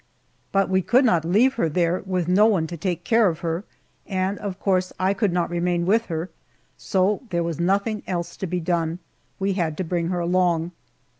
But we could not leave her there with no one to take care of her, and of course I could not remain with her, so there was nothing else to be done we had to bring her along.